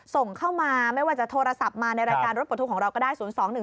ส่งเข้ามาไม่ว่าจะโทรศัพท์มาในรายการรถปลดทุกข์ของเราก็ได้๐๒๑๒